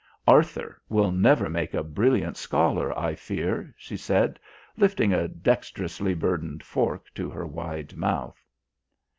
"Arthur will never make a brilliant scholar, I fear," she said, lifting a dexterously burdened fork to her wide mouth....